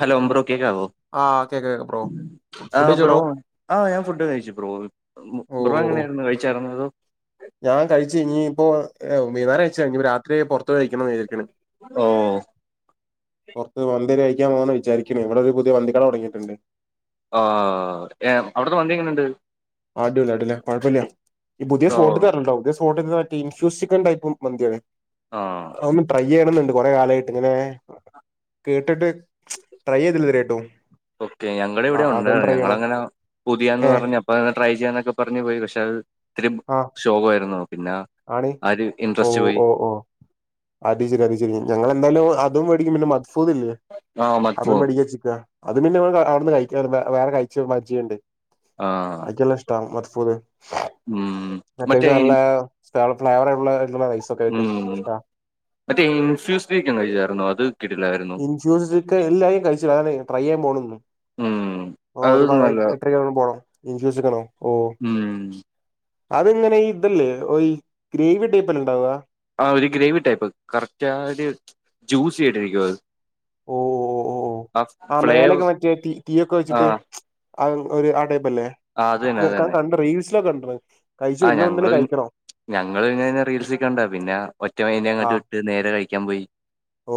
Hello [unintelligible] ആ കേക്കാ കേക്കാം ബ്രോ ആ ഫുഡ് കഴിച്ചോ ബ്രോ ആ ഞാൻ ഫുഡ് കഴിച്ചു ബ്രോ ഓ ബ്രോ ഓ ഓ എങ്ങനെയായിരുന്നു കഴിച്ചായിരുന്നോ അതോ? ഞാൻ കഴിച്ചു. ഇനിഇപ്പം [unintelligible] രാത്രി പുറത്തൂന്ന് കഴിക്കണംന്ന് വിചരിക്കണ്. ഓഹ് പുറത്ത് മന്തി കഴിക്കാൻ പോണോന്ന് വിചാരിക്കണ്. ഇവിടെ ഒരു പുതിയ മന്തി കട തുടങ്ങിയിട്ടുണ്ട്. ആ എ അവിട്ത്തെ മന്തി എങ്ങനെണ്ട്? അടിപൊളി അടിപൊളിയാ കുഴപ്പല്ല ഈ പുതിയ ഓ സ്പോട്ടി തന്നെ ഓർഡർ ചെയ്തത് മറ്റേ ഇൻഫ്യൂസ് ചിക്കൻ മന്തിയാണ് ആഹ് ഒന്ന് ട്രൈ ചെയ്യണേന്ന്ണ്ട് കൊറെ കാലമായിട്ട് ഇങ്ങനെ കേട്ടിട്ട് ട്രൈ ചെയ്തില്ലേ ഇതുവരെ ആയിട്ടും ഓക്കെ ഞങ്ങടെ ഇവിടെ ഉണ്ടായിരുന്നു. ഞങ്ങളിങ്ങനെ പുതിയന്ന് ഏ പറഞ്ഞ അപ്പന്ന് ട്രൈ ചെയ്യാന്നൊക്കെ പറഞ്ഞ്പോയി. പക്ഷെ അത് ഇത്തിരി ആഹ് ശോകമായിരുന്നു പിന്നെ ആണ് ഒരു ഇൻട്രസ്റ്റ് ഓഹ് പോയി ഓഹ് ഓഹ് അത് ശരി അത്ശരി ഞങ്ങൾ എന്തായാലും അതു മേടിക്കും പിന്നെ മത്ഫൂതി ല്ലേ- ആ അതും മത്ഭുവം മേടിക്കാം വെച്ചിട്ടാ അത് പിന്നെ അവിടുന്ന് കഴിക്കാൻ വേറെ കഴിച്ച മജ്ജിയുണ്ട്. ആ അവർകൊല്ലാം ഇഷ്ടവും മത്ഭൂത് ഉം മറ്റേ അത്യാവശ്യം നല്ല ഇൻ- സ് ഫ്ലേവ [unintelligible] ഉം മറ്റേ ഇൻഫ്യൂസ്ഡ് ചിക്കൻ കഴിച്ചായിരുന്നോ? അത് കിട്ടിലായിരുന്നു. ഇൻ ഫ്യൂസിഡ് ചിക്കൻ എല്ലരും കഴിച്ച് അതെ ട്രൈ ചെയ്യൻ പോണ് ഒള്ളൂ ഉം അത് നല്ല [unintelligible] ഓ എട്ടര ഉം അത്ങ്ങനെ ഇതല്ലേ ഓ ഗ്രേവി ടൈപ്പ്ല്ലെ ണ്ടാവാ ആ ഒരു ഗ്രേവി ടൈപ്പ് കറക്റ്റ് ആ ഒരു ജ്യൂസി ആയിട്ടിരിക്കുന്നത് ഓ ഓ ഓ ഓഓ ആ ഫ്ലേവർ മേലൊക്കെ മറ്റേ തീ തീയൊക്കെ ആ വെച്ചിട്ട് ആ ഒരു ആ ടൈപ്പല്ലേ ആ അത് തന്നെ അത് കൻ തന്നെ കണ്ട റീൽസിലൊക്കെ കണ്ടിണ് ഇജ്ജ് ഇന്ന് ഒന്നില് കഴിക്കണോ ഞങ്ങൾ ഇങ്ങനെ റീൽസിൽ കണ്ട പിന്നെ ഒറ്റ മൈൻഡിൽ ആ അങ്ങോട്ട് വിട്ട് നേരെ കഴിക്കാൻ പോയി ഓ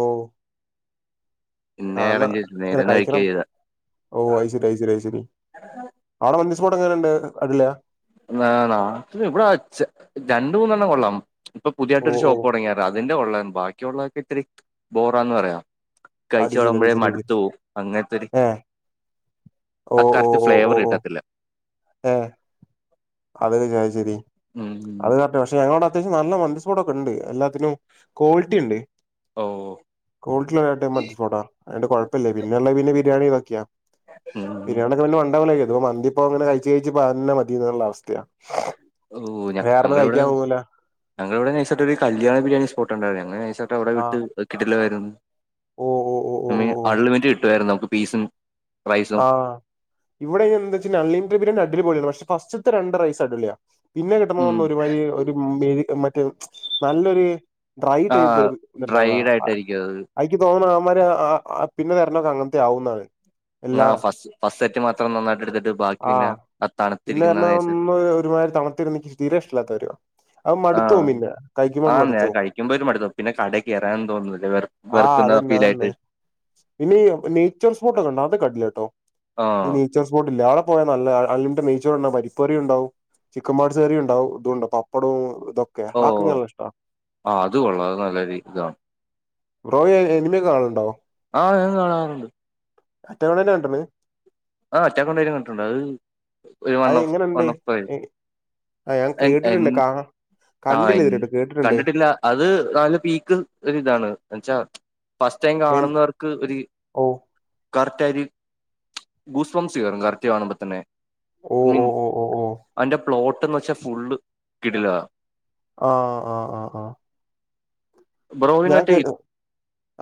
[inaudible] കാണണ അറേഞ്ച് ചെയ്തില്ല അനെ നേരെന്ന് കഴിക്കുക കഴിക്കണം ചെയ്ത ഓ അഐശരി ഐശര്യ ഐശ്ശരി ആവിടെ മന്തി സ്പോട്ട് എങ്ങനെയുണ്ട് അതില അത് ഇവിടെ അച് രണ്ട് മൂന്നെണ്ണം കൊള്ളാം ഇപ്പൊ ഓ, പുതിയായിട്ട് ഒരു ഓ. ഷോപ്പ് തുടങ്ങിയതാ തിന്റെ കൊള്ളാം ബാക്കിയുള്ളതൊക്കെ ഇത്തിരി ബോറാന്ന് പറയാം അത് കഴിച്ച് ശരി, അത് തുടങ്ങുമ്പോഴേ ശരി, അത് ശരി. മടുത്തു പോവും അങ്ങനത്തൊരു ഏഹ്. ആ കറക്റ്റ് ഫ്ലേവർ കിട്ടത്തില്ല മ് അത് വിജാരിച്ചായിരി ഉം അത് കറക്റ്റാ പക്ഷെ ഞങ്ങളവിടെ അത്യാവശ്യം നല്ല മന്ദിസ്പോട്ട് ഒക്കെണ്ട് എല്ലാത്തിനും ക്വാളിറ്റി ഉണ്ട് ഓഓ കൊള്ട്ടില്ലതായിട്ട് മൻഥി സ്പൊർടാ അത്കൊണ്ട് കൊഴപ്പല്ല പിന്നെയിള്ള പിന്നെ ബിരിയാണി ഇതൊക്കെയാ ഉം ബിരിയാണി ഒക്കെ പിന്നെ വണ്ടപല മന്തിപ്പോ അങ്ങനെ കഴിച്ച കഴിച്ച്ന്ന മതിന്നുള്ള അവസ്ഥയാ ഓ ഞ വേറൊന്നും ഞങ്ങളിവിടെ കഴിക്കാൻ തോന്നൂല. ഞങ്ങൾ ഇവിടെ നൈസായിട്ട് ഒരു കല്യാണബിരിയാണി സ്പോട്ടുണ്ടായിരുന്നു ഞങ്ങ നൈസായിട്ട് അവിടെ വിട്ട് ആഹ്. കിടിലനായിരുന്നു ഓ, ഓ, ഓ, ഓ, നമ്മ ഓ, ഓ. അൺലിമിറ്റ് കിട്ടുവായിരുന്നു നമുക്ക് പീസും റൈസും ആ ഇവിടെ എന്താ വെച്ച അൺലിമിറ്റഡ് ബിരിയാണി അടിപൊളി ആണ് പക്ഷെ ഫസ്റ്റത്തെ രണ്ട് റൈസ് അടിളിയാ പിന്നെ ഉം കിട്ടുന്നൊന്നും ഒരുമാതിരി ഒരു മെയ് മറ്റേ നല്ലൊരു ഡ്രൈ ആ ടൈപ്പ് ഇണ്ടാവുക ഡ്രൈഡ് ആയിട്ടായിരിക്കും അത് അയ്ക്ക് തോന്നുന്ന ആമാര് പിന്നെ തരണൊക്കെ അങ്ങനത്തെ ആവുന്നാണ് ആ എല്ലാ ഫസ്റ്റ് ഫസ്റ്റ് സെറ്റ് മാത്രം നന്നായിട്ട് എടുത്തിട്ട് ബാക്കി പിന്നെ തണുത്തിരിക്കുന്നത് നൈസ് മ്മ ഒരുമാരിരി തണത്തിരുന്നനിക്ക് തീരെ ഇഷ്ടല്ലാത്ത കാര്യാ മടുത്തോകും പിന്നെ ആഹ് മടുത്തു അത് പോവും കഴിക്കുമ്പോ ഒരു മടി തന്നു പിന്നെ കട കയറാനും തോന്നുന്നില്ല വെറുക്കുന്ന ഫീൽ ആയിട്ട് പിന്നിയ് നേയ്ച്ചർ സ്പോട്ടൊക്കെണ്ട അത കടി യാട്ടോ ആ നേയ്ച്ചർ സ്പോട്ടില്ലേ അവിടെ പോയാ നല്ല അൺലിമിറ്റഡ് നെയ്‌ച്ചോർ ഉണ്ടാകും പരിപ്പ് കറി ഉണ്ടാവും ചിക്കൻ പാർട്സ് കറി ഉണ്ടാകും ഇതുമുണ്ട് പപ്പടവും ഇതൊക്കെ ഓ അതൊക്കെ എനിക്ക് നല്ല ഇഷ്ടാ ആ അത് കൊള്ളാം അത് നല്ല ഒരു ഇതാണ് റോയ് എമിനിയൊക്കെ കാണലുണ്ടോ ആഹ് ഞാൻ കാണാറ്ണ്ട് മറ്റവളന്നെ കണ്ട്ണ് ആ അറ്റ കൊണ്ടും കണ്ടിട്ടുണ്ട് അത് ഒരു വൺ അത് ഓഫ് എങ്ങനെണ്ട് വൺ ഓഫ് ആ ഞാൻ എ എൻ കേട്ടിട്ടുണ്ട് കാ ആ കണ്ടില്ല എൻ ഇതുവരെയായിട്ട് കേട്ടിട്ടുണ്ട് കണ്ടിട്ടില്ല അത് നാല് പീക്ക് ഒരു ഇതാണ് എന്നെച്ചാ ഫസ്റ്റ് ടൈം എ കാണുന്നവർക്ക് ഒരു ഓ കറക്റ്റ് ആയിര് ഗൂസ്പംസ് കറക്ട് കാണു മ്പോ തന്നെ ഓ മീൻ ഓ ഓ ഓ ഓ അന്റെ പ്ലോട്ട്ന്ന് വെച്ചാ ഫുള് കിടില ആഹ് ആഹ് ഹ ആ ഞാൻ ബ്രോയിനറ്റെ കേ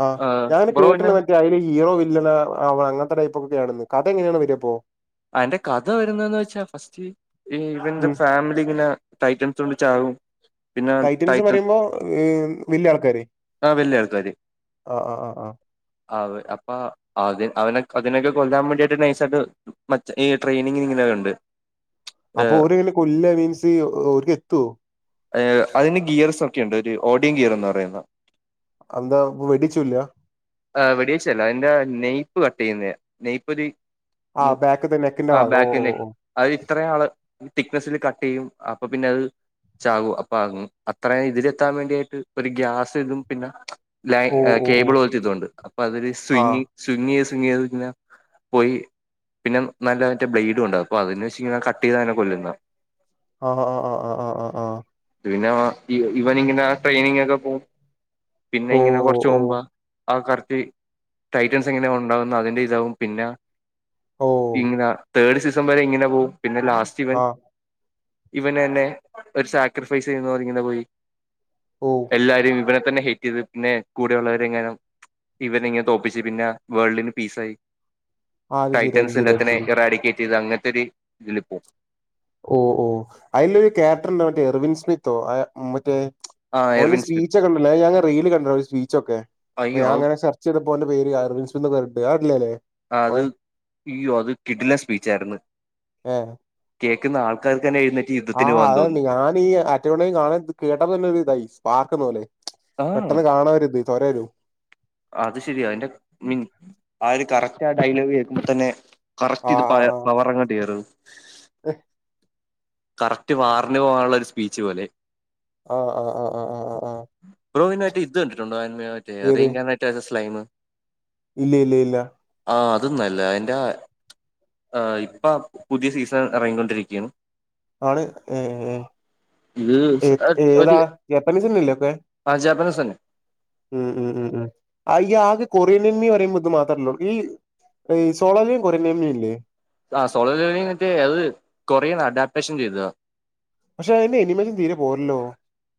ആ ആഹ് ഞാന ബ്രോയിന് കേട്ടണറ്റ അതില് ഹീറോ വില്ലനും അവ അങ്ങനത്തെ ടൈപ്പ് ഒക്കെയ ആണ് കഥ എങ്ങനെയാണ് വരയപ്പോ അയ്ൻ്റെ കഥ വരുന്നന്ന് വെച്ചാ ഫസ്റ്റ് ഈ ഇവന്റെ ഉം ഫാമിലികളേ ടൈറ്റംസ്കൊണ്ട് ചാകും- പിന്നെ ടൈറ്റംസ് ടൈറ്റൻ പറയുമ്പോ ഈ വല്യാ ആൾക്കാര് ആ വലിയ ആ ആ ആ ആ അതേ അപ്പാ അതിൻ അതിനെ അതിനൊക്കെ കൊല്ലാൻ വേണ്ടിട്ട് നൈസട്ട് മച്ച ഈ ട്രെയിനിങ്ങിന് ഇങ്ങനെവരണ്ട് അപ്പൊ ഓരയ്നെ കൊല്ല മീൻസ് ഓര്ക്ക് എത്തോ ഏ അതിന് ഗിയേസ് ഒക്കെ ഉണ്ട് ഒരു ഓഡിയിൻ ഗീർ എന്ന്പറയുന്ന അന്താ വെടിച്ചൂല്ല ആ വെടിവച്ചല്ല അതിന്റെ നെയ്പ് കട്ട് ചെയ്യുന്നേ നെയ്പ് ഒരു ആ ബേക്ക്തെ നെക്കിന്റെ ഭാഗം ഓ ഓ ഓ അയ് ഇത്രേആള് തിക്നെസില് കട്ട്ചെയ്യും അപ്പൊ പിന്നെ അത് ചാകു അപ്പ അങ്അത്രേയും ഇതിലെത്താൻ വേണ്ടിയിട്ട് ഒരു ഗ്യാസ് ഇതും പിന്നെ ലൈ ഓ ഓ ഓ ഓ കേബിളോത്തിതുണ്ട് അപ്പൊ അതില് ആ സ്വിംങിങ് സ്വിങ്ങിയിത് സ്വിങ്ങിയിത് ഇങ്ങനെ പോയി പിന്നെ നല്ല മറ്റോ ബ്ലേഡും ഉണ്ട് അപ്പോ അതിൻ്റെ ഷീണം കട്ട് ചെയ്താണ് കൊല്ലുന്നെ അ അ അ അ അ ആഹ് പിന്നെ ഇവ്ഇവനിങ്ങനെ ട്രെയിനിങ് ഒക്കെ പോവും പിന്നെ ഓ ഇങ്ങനെ കൊറച്ചു ഓ മുമ്പാ ആഹ് കറക്റ്റ് ടൈറ്റൺസ് എങ്ങനെയ ഉണ്ടാവുന്നു അതിന്റെ ഇതാവും പിന്നെ ഓ ഓ ഇങ്ങനെ തേർഡ് സീസം വരെ ഇങ്ങനെ പോകുംപിന്നെ ലാസ്റ്റ് ഇവൻ. ആ ഇവനന്നെ ഒരു സാക്രിഫൈസ് ചെയ്യുന്നത് പോലെ ഇങ്ങനെ പോയി പോവും. എല്ലാരും ഇവനെ തന്നെ ഹേറ്റ് ചെയ്ത് പിന്നെ കൂടെ ഉള്ളവരെങ്ങാനും ഇവനി ഇങ്ങനെ തോൽപ്പിച്ച് പിന്നെ വേൾഡിന് പീസായി. ആ അത് ശരി അത് ശരി അത് ടൈറ്റൻസ്ത്തിനെ ശരി ഇറാഡിക്കേറ്റ് ചെയ്ത് അങ്ങനത്തെ ഒരു ഇതില് പോകും. ഓ ഓ അതിലൊരു ക്യാപ്റ്റൻ മറ്റേ എർവിന് സ്മിത്തോ മറ്റേ ആ ഓന് എർവിൻ സ്മിത്ത് സ്പീച്ച ഒക്ക കണ്ടല്ലേ ഞാൻ റീലിൽ കണ്ടായിരുന്ന് സ്പീച്ചൊക്കെ അപ്പ അയ്യോ ഞാനങ്ങനെ ച്ച [unintelligible] ആ അത് അയ്യോ അത് ഒരുകിഡ്ലൻ സ്പീച്ചായിരുന്നു ഏ കേൾക്കുന്ന ആൾക്കാർക്കന്നെ എഴു ആഹ് അതെ ഞാനീ അറ്റവണയും കാണാ കേട്ടപ്പതന്നെ ഒരു ഇതായി സ്പാർക്കന്നും അല്ലെ ആ പെട്ടെന്ന് കാണാ ഒര് ഇത് തൊരയിരുന്നു അത് ശരി അതിന്റെ മീൻ ആഒര് കറക്റ്റ് ആ ഡയലോഗ് കേൾക്കുമ്പോ തന്നെ കറക്റ്റ് ആ ഇത്. ആ ആ [unintelligible] ഏ, കറക്റ്റ് വാറിന് പോകാനുള്ള ഒരു സ്പീച്ച് പോലെ ആഹ് ആഹ് ബ്രോ [unintelligible] ഇത് കണ്ടിട്ടുണ്ടോ ഏത് [unintelligible] മറ്റെ [unintelligible] സ്ലൈം ഇല്ല ഇല്ല ഇല്ല. ആഹ് അതും നല്ലയാ അതിന്റെ ആഹ് ഇപ്പൊ പുതിയ സീസൺ ഇറങ്ങിക്കൊണ്ടിരിക്കുകയാണ് ആണ് ഏ ഏ ഇത് സ് ആ, ഏഹ് ഒരു ഏതാ എപ്പൻ സിനില്ലെപ്പ ആ, ജാപ്പനീസ് തന്നെ ഉം ഉം ഉം ഉം അയ്യ ആകെ കൊറിയനിയന്മ പറയുമ്പോൾ ഇതു മാത്രമല്ലള്ളൂ ഈ [unintelligible] ആഹ് സോളർ ലീവിങ്ങിട്ട് അത് കൊറിയൻ അഡാപ്റ്റേഷൻ ചെയ്തതാ പക്ഷെ അതിന്റെ എനി മല് തീരെ പോരല്ലോ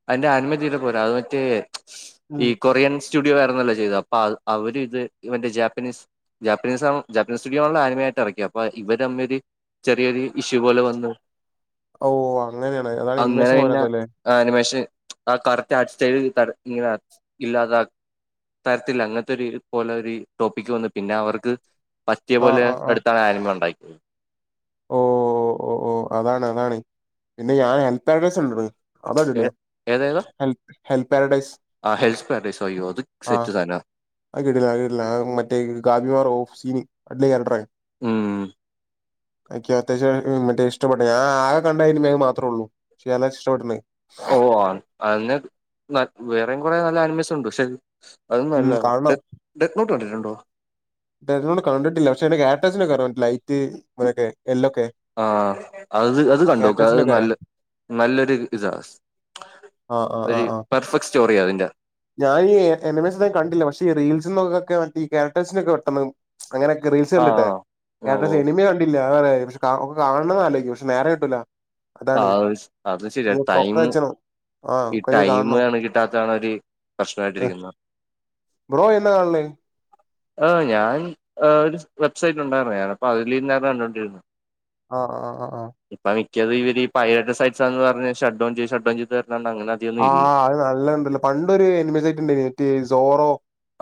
അതിന്റെ അനുമതിയില പോരാ അത് മറ്റേ ഉം. ഈ കൊറിയൻസ് സ്റ്റുഡിയോ ആയിരുന്നല്ലോ ചെയ്ത അപ്പൊ അവര് ഇത് ഇവന്റെ ജാപ്പനീസ് ജാപ്പനീസ് ആവും ജപ്പനീസ് സ്റ്റുഡിയോ ആണല്ലോ ആനിമയായിട്ട് ഇറക്കിയെ അപ്പോ ഇവര് തമ്മിൽ ഒരു ചെറിയൊരു ഇഷ്യു പോലെ വന്നു ഓ അങ്ങനെയാണ് അതാണ് അങ്ങനെ ഇൻവേഷൻ പിന്നെ വരാതതല്ലേ ആനിമേഷൻ ആ കറക്റ്റ് ആ [unintelligible] ടിസ്റ്റയ് ഇല്ലാത തരത്തില്ല അങ്ങനത്തെ ഒരു പോലെ ഒരു ടോപ്പിക്ക് വന്ന് പിന്നെ അവർക്ക് പസ്റ്റിയ ആ പോലെ ആ ആ എടുത്താണ് ആനിമ ഒണ്ടാക്കിയത്. ഓ ഓ ഓ ഓ അതാണ് അതാണ് പിന്നെ ഞാൻ ഹെൽപ്പെടെഴ്സ് ഉണ്ടട അതടി പൊളിയാ ഏതേതാ ഹെൽ പ്പാരഡൈസ്. ആ ഹെൽത്ത് പാരഡൈസ് അയ്യോ അത് സെറ്റ് സാനാ [unintelligible] ഉം എനിക്ക് അത്യാവശ്യം മറ്റേ ഇഷ്ടപ്പെട്ടേ ഞ ആകെ കണ്ട ഇനിമേമാത്രേള്ളൂ പക്ഷെ ഇഷ്ടപ്പെട്ടേക്കണ് ഓ [unintelligible] അങ്ങനെ വേറെയും കുറെ നല്ല ആനിമൽസ് ഉണ്ട് പക്ഷെ അതൊന്നും അല്ല ഉം കാണണം ഡെ [unintelligible] ഡെപ്യൂട്ട് കണ്ടിട്ടുണ്ടോ ഇതൊന്നും കണ്ടിട്ടില്ല പക്ഷെ ക്യാരറ്റസിന് ഒക്കെ അറിയാം ലൈറ്റ് ഇങ്ങനൊക്കെ എല്ലൊക്കെ. ആഹ് അത് അത് കണ്ടോക്ക അത് ക്യാരക്ടേഴ്സിനൊക്കെ നല്ല അറിയാം. നല്ലൊരു ഇതാ ആഹ് ആഹ് ഒരു ആഹ് ആഹ്. പെർഫെക്ട് സ്റ്റോറിയ അതിന്റെ. ഞാൻ ഈ എലമൻസിനെ കണ്ടില്ല പക്ഷ റീൽസക്കൊക്കെ മറ്റ ക്യാരക്റ്റേഴ്സിനൊക്കെ വട്ടണം അങ്ങനെയൊക്കെ റീൽസ് ആ കണ്ടിട്ട് ആ [unintelligible] ഓ പിന്ന അ പക്ഷെ ഒക്ക കാണുന്ന ആലോചിക്കും പക്ഷെ നേരെ കിട്ടല ആഹ് അത് ശരിയ ടൈം ഒക്കെ വെച്ചണം. ആഹ് ഈ ഒക്കെ ഇനി ടൈം കാണണം. ആണെങ്കി [unintelligible] ഏഹ് പ്രശ്നായിട്ടിരിക്കുന്നോ ബ്രോ എന്നാ കാണല്? ആഹ് ഞാൻ ആ ഒരു വെബ്സൈറ്റ് ഉണ്ടായിരുന്നു ഞാനപ്പോ അതിൽ നിന്നാണ് കണ്ടുകൊണ്ടിരുന്നത് ആഹ ആഹ് ആഹ് ആഹ് ഇപ്പൊ മിക്കത് ഇവര്ഈ പൈരട്ട സൈസ്ന്ന് ഷട് ഡൌൺ ഷട് ഡൌൺ ചെയ്ത തങ്ങന ആഹ് നല്ലത് ഇണ്ടല്ലോ സോറോ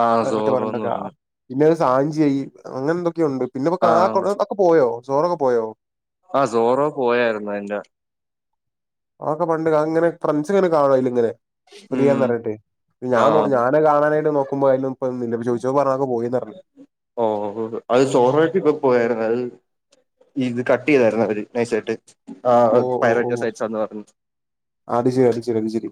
ആഹ് സോറോന്ന് [unintelligible] പറഞ്ഞു പിന്നെ സാഞ്ചിയായി അങ്ങനെ എന്തൊക്കെയുണ്ട് പിന്നെ ആഹ് ഒക്ക പോയോ ചോറൊക്കെ പോയോ ആഹ് ജോറോ പോയായിരുന്നു അതിന്റെ. അതൊക്കെ പണ്ട് ഇങ്ങനെ ഫ്രണ്ട്സ് ഇങ്ങനെ കാണോ അയില് ഇങ്ങനെ ഉം പറന്ന്റയട്ടെ ഞാൻഞ ആഹ് പിന്നകാണാനായിട്ട നോക്കുമ്പോ അതിന ഇന്ന ഇ ചോദിച്ച പറഞ്ഞ പോയിന്ന് പറഞ്ഞ ഓ അത് [unintelligible] പോയായിരുന്നു അത്. ഇത് കട്ട് ചെയ്തായിരുന്നു അവര് നൈസായിട്ട് ആ ഓ ഓ [unintelligible] ഓ സൈറ്റ് സാന്ന് പറഞ്. അത് ശരി അത് ശരി അത് ശരി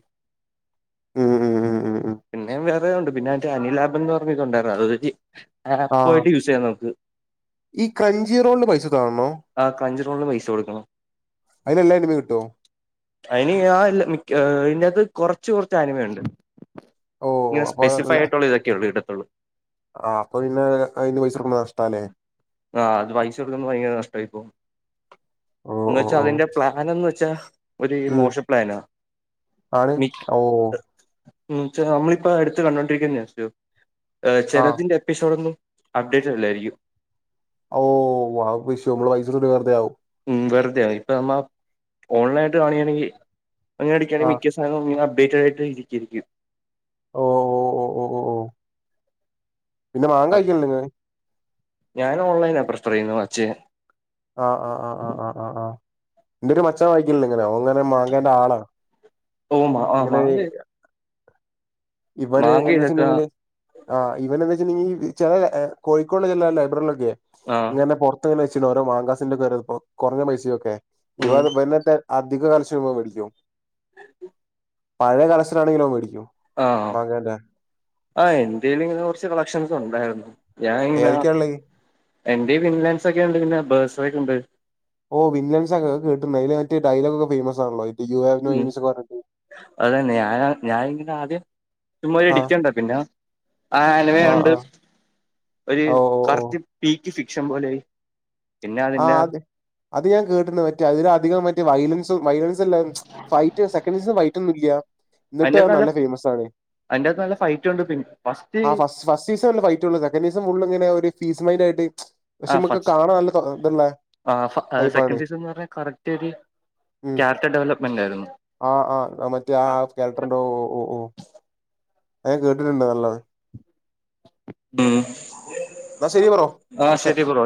ഉം ഉം ഉം ഉം ഉം പിന്നെ വേറെത ഉണ്ട് പിന്നെ ആട്ട് അനിൽ ലാബ് എന്ന് പറഞ്ഞി കൊണ്ടായിരുന്നു അത് ആ ആപ്പ് വഴി യൂസ് ചെയ്യാൻ നമുക്ക് ഈ കഞ്ചി റോളിന്റെ പൈസ കാണണോ ആഹ് ക്രഞ്ച് റോണില് പൈസ കൊടുക്കണം അതിനെല്ലാ അനിമേം കിട്ടുവോ അതിന് ആ മിക്ക ഇതിനകത്ത് കൊറച്ച് കുറച്ച് ആനിമയുണ്ട് ഓ ഇങ്ങനെ അപ്പൊ സ്പെസിഫൈ ആയിട്ടുള്ള ഇതൊക്കെ ഉള്ള ഇടത്തുള്ളൂ ആപ്പ അപ്പന്നെ അതി പൈസ നക്കുക്ക് നഷ്ടാനെ ആഹ് അത് പൈസ കൊടുക്കുമ്പോ ഭയങ്കര നഷ്ടയി പോവും ഓ എന്ന് ഓ വെച്ചാ ഓ അതിന്റെ. പ്ലാനെന്ന് വെച്ചാ ഒരു ഉം മോശം പ്ലാനാ. ആണ് ഓ ഉ ച്ചനമ്മളിപ്പ എടുത്ത് കണ്ടൊണ്ടിരിക്കുന്ന ആ ചല തിന്റെ എപ്പിസോഡൊന്നും അപ്ഡേറ്റ് അല്ലായിരിക്കും. [unintelligible] ഉം വെറുതെയാണ് ഇപ്പ നമ്മ ഓൺലൈനായിട്ട് കാണികാണെങ്കിൽ അങ്ങനെ അടിക്കാണെങ്കി ആഹ് മിക്ക [unintelligible] ഇരിക്കിരിക്ക്. ഓഹ് ഓഹ് ഓഹ് പിന്നെ മാങ്ങ കഴിക്കണില്ലെ. ഞാൻ ഓൺലൈന പ്രിഫർ ചെയ്യുന്നു മച്ചെ ആഹ് ആഹ് ആഹ് ആഹ് ആ ആ ആ ഇന്റെരു. തകം വായിക്കണ്ട ഇങ്ങനാ അങ്ങനെ മാങ്ങേന്റെ ആളാ ഓ മാ ഇങ്ങനെ മാങ്ക ഇവന മാങ്ക എങ്ങനെ ഇതൊക്കെ വെച്ചിട്ടുണ്ടെങ്കില് ആഹ് ഇവൻ എന്താ വെച്ചിട്ടുണ്ടെങ്കിൽ ചില കോഴിക്കോട് ചില ലൈബ്രറികളൊക്കെ ആ ഇങ്ങനെ [unintelligible] കൊറഞ്ഞ പൈസക്കൊക്കെ ഉം [unintelligible] അധിക കർശമേടിക്കോ പഴെ കറക്ശനാണെങ്കി ഓം വേടിക്കും ആഹ് ആഹ് എന്റേൽ ഇങ്ങനെ കൊറച്ച് കളക്ഷൻസ് ഇണ്ടായിരുന്നു. ഞാൻ ഇങ്ങന ഏതൊക്കെയാള്ളേ എന്റെ ഫിൻലാന്ഡ്സ് ഒക്കെ ഉണ്ട് പിന്നെ ബേർസ്ബേഗ് ഒക്കെ ഉണ്ട് ഓ വിൻലൻസ്ക്കെ കേട്ടുണ്ട് അതി മറ്റേ ഡയലോഗ് [inaudible] ഒക്കെ ഫേമസാണല്ലോ ആണോ യസ്ഞ്ഞണ്ട് അതെന്നെ ഞാൻ ഞാനിങ്ങനെ ആദ്യം. ചുമ്മാ ഒരു ആഹ് എഡറ്റുണ്ടോ പിന്നെ ആ ആഹ് ആനമയൊണ്ട്. ആഹ് ഒരു ഓ ഓ ഓ കറക്റ്റ് പീക്ക് ഫിക്ഷൻ പോലെ ആ അതെ അത് ഞാൻ കേട്ടുന്നത് പറ്റേ അതിൽ അധികം മറ്റേ വൈലൻസ് [unintelligible] ഫൈറ്റ് ഒന്നുല്ല. അതിന്റ ത്ത് നല്ല അന്റാത്ത് നല്ല ഫൈറ്റ് ഉണ്ട് പി ഫസ്റ്റ്. ഫസ്റ്റ് സീസല്ല ഫൈറ്റ്ള്ള സെക്കൻ് സീസം ഫള് ഇങ്ങനെ ഒരു ഫീസ് മൈൻഡ ആയി് പക്ഷെ ആ നമക്ക് ഫസ്റ്റ് കാണാൻല്ല [unintelligible] ആ ഫ സെക്കൻഡ് സീസൺ എന്ന് പറഞ്ഞാ കറക്റ്റ്ത്. ഉം ക്യാരക്റ്റർ ഡെവലപ്മെന്റായിരുന്നു ആ ആ മറ്റേ ആ സ്‌കെൽടർന്റെ ഓ ഓ ഓ ഓ അഹ് ഞാൻ കേട്ടിട്ട്ണ്ട് നല്ലത് ഉം എന്നാ ശരി ബ്രോ ആ ഓക്കെ ശെരി ബ്രോ